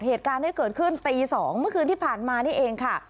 เหตุการณ์ที่เกิดขึ้นตี๒เมื่อคืนที่ผ่านมานี่เองค่ะ